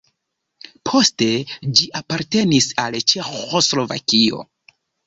Poste ĝi apartenis al Ĉeĥoslovakio.